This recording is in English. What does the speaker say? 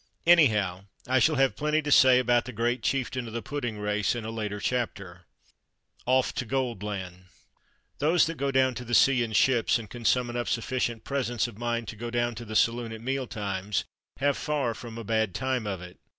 Anyhow I shall have plenty to say about the "great chieftain o' the puddin' race" in a later chapter. Off to Gold land! Those that go down to the sea in ships, and can summon up sufficient presence of mind to go down to the saloon at meal times, have far from a bad time of it.